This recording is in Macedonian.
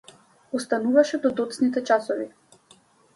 Остануваше до доцните часови.